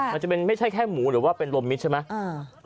มันจะเป็นไม่ใช่แค่หมูหรือว่าเป็นลมมิตรใช่ไหม